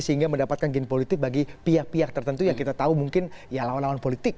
sehingga mendapatkan gen politik bagi pihak pihak tertentu yang kita tahu mungkin ya lawan lawan politik